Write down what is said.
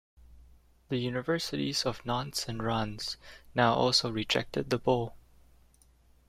The Universities of Nantes and Reims now also rejected the Bull.